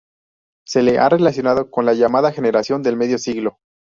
Se le ha relacionado con la llamada generación del medio siglo.